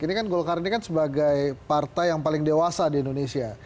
ini kan golkar ini kan sebagai partai yang paling dewasa di indonesia